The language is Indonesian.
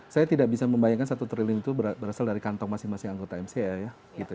saya tidak bisa membayangkan satu triliun itu berasal dari kantong masing masing anggota mca ya